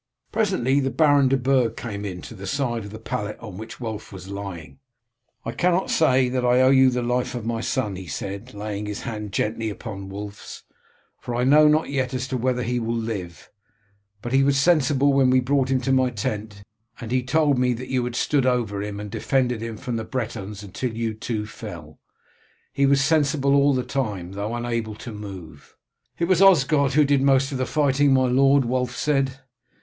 Presently the Baron de Burg came to the side of the pallet on which Wulf was lying. "I cannot say that I owe you the life of my son," he said, laying his hand gently upon Wulf's, "for I know not as yet whether he will live, but he was sensible when we brought him to my tent, and he told me that you had stood over him and defended him from the Bretons until you too fell. He was sensible all the time, though unable to move." "It was Osgod who did most of the fighting, my lord," Wulf said.